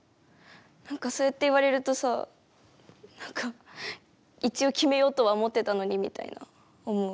なんか、そうやって言われるとさなんか一応、決めようとは思ってたのにみたいな、って思う。